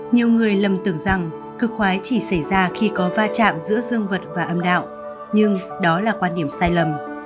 nhiều người lầm tưởng rằng cực khoái chỉ xảy ra khi có va chạm giữa dương vật và âm đạo nhưng đó là quan điểm sai lầm